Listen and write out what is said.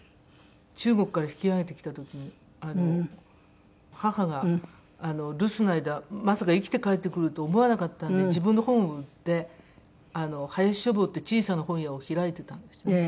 中国から引き揚げてきた時に母が留守の間まさか生きて帰ってくると思わなかったんで自分の本を売って林書房っていう小さな本屋を開いてたんですよ。